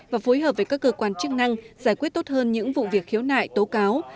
và phối hợp với các cơ quan chức năng giải quyết tốt hơn những vụ việc khiếu nại tố cáo